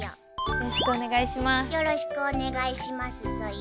よろしくおねがいしますソヨ。